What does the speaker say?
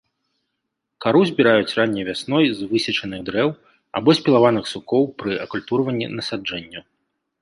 Кару збіраюць ранняй вясной з высечаных дрэў або спілаваных сукоў пры акультурванні насаджэнняў.